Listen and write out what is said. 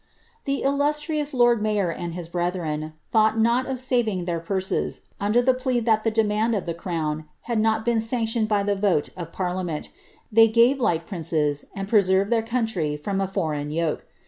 lie mmtrioas lord mayor and his brethren, thought not of saring r puaety under the plea that the demand of the crown had not been tiooed by the rote of parliament ; they gare like princes, and pre ad their country from a foreign yoke.